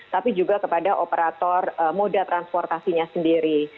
tapi juga kepada operator moda transportasinya sendiri